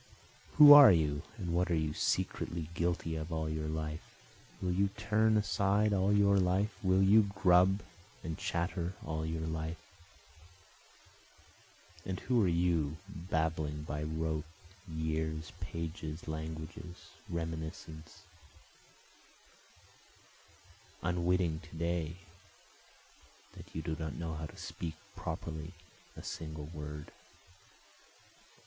(Who are you? and what are you secretly guilty of all your life? Will you turn aside all your life? will you grub and chatter all your life? And who are you, blabbing by rote, years, pages, languages, reminiscences, Unwitting to day that you do not know how to speak properly a single word?)